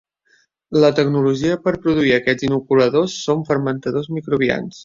La tecnologia per produir aquests inoculadors són fermentadors microbians.